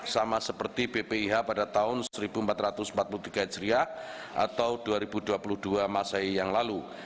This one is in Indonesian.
sama seperti bpih pada tahun seribu empat ratus empat puluh tiga hijriah atau dua ribu dua puluh dua masai yang lalu